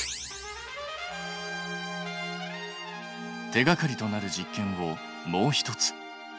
手がかりとなる実験をもう１つ。